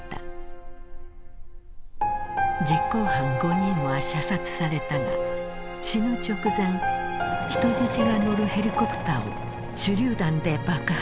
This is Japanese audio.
実行犯５人は射殺されたが死ぬ直前人質が乗るヘリコプターを手榴弾で爆破した。